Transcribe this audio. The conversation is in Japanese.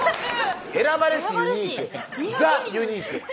選ばれしユニークザ・ユニーク